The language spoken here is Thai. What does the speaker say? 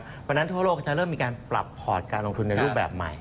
เพราะฉะนั้นทั่วโลกก็จะเริ่มมีการปรับพอร์ตการลงทุนในรูปแบบใหม่